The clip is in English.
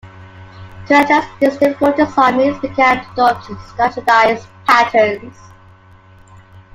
To address these difficulties, armies began to adopt standardised "patterns".